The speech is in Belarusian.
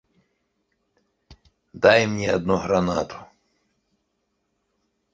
Дай мне адну гранату.